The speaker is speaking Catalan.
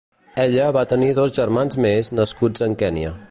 Ella va tenir dos germans més nascuts en Kenya.